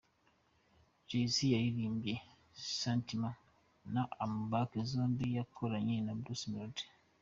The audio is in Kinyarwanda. Jay C yaririmbye “Sentiment” na “I am Back”, zombi yakoranye na Bruce Melodie.